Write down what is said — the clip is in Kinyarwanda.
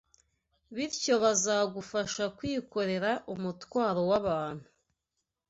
bityo bazagufasha kwikorera umutwaro w’aba bantu.